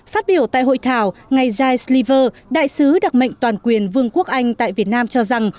phát biểu tại hội thảo ngài ji sliver đại sứ đặc mệnh toàn quyền vương quốc anh tại việt nam cho rằng